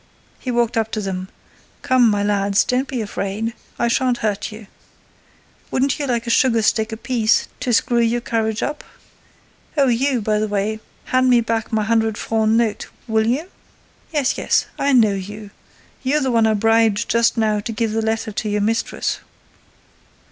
He walked up to them: "Come, my lads, don't be afraid—I shan't hurt you. Wouldn't you like a sugar stick apiece to screw your courage up? Oh, you, by the way, hand me back my hundred franc note, will you? Yes, yes, I know you! You're the one I bribed just now to give the letter to your mistress.